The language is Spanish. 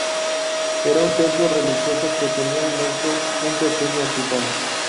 Era un templo religioso que tenía anexo un pequeño Hospital.